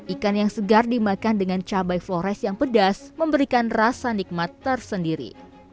ikan yang segar dimakan dengan cabai flores yang pedas memberikan rasa nikmat tersendiri